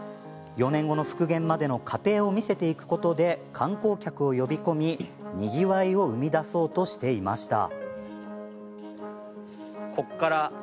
４年後の復元までの過程を見せていくことで観光客を呼び込みにぎわいを生み出そうとしていました。